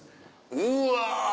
うわ。